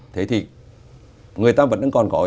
thế thì người ta vẫn còn có